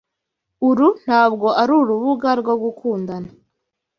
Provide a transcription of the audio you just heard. Uru ntabwo arurubuga rwo gukundana.